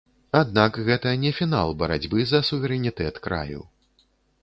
Аднак гэта не фінал барацьбы за суверэнітэт краю.